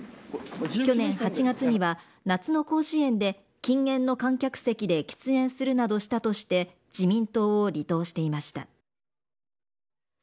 去年８月には、夏の甲子園で禁煙の観客席で喫煙するなどして自民党を離党していました。